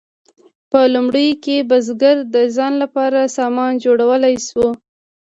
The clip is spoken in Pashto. په لومړیو کې بزګر د ځان لپاره سامان جوړولی شو.